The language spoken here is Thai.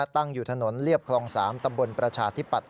ตั้งอยู่ถนนเรียบคลอง๓ตำบลประชาธิปัตย